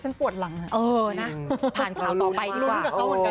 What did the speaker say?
ฉันปวดหลังเออนะผ่านข่าวต่อไปดีกว่า